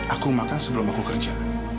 aku makan sebelum aku kerja